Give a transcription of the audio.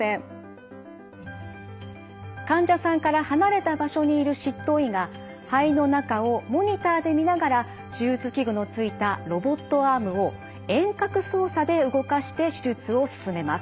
患者さんから離れた場所にいる執刀医が肺の中をモニターで見ながら手術器具のついたロボットアームを遠隔操作で動かして手術を進めます。